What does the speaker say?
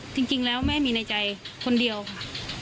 จริงแล้วแม่มีในใจคนเดียวค่ะ